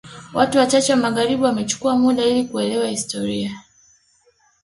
Watu wachache wa magharibi wamechukua muda ili kuelewa historia